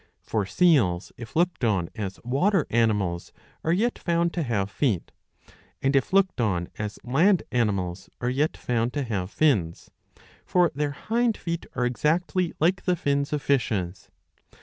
For seals, if looked on as water animals, are yet found to have feet ; and, if looked on as land animals, are yet found to have fins. For their hind feet are exactly like the fins of fishes.